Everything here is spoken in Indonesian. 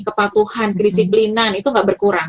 kepatuhan kedisiplinan itu tidak berkurang